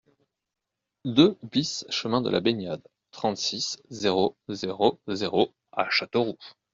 deux BIS chemin de la Baignade, trente-six, zéro zéro zéro à Châteauroux